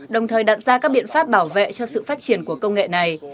đồng thời đặt ra các biện pháp bảo vệ cho sự phát triển của công nghệ này